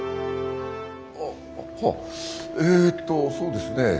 えっとそうですね